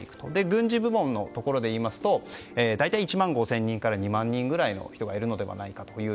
軍事部門でいいますと大体１万５０００人から２万人ぐらいの人がいるのではないかと。